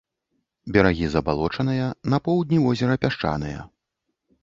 Берагі забалочаныя, на поўдні возера пясчаныя.